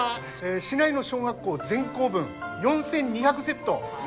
市内の小学校全校分４，２００セット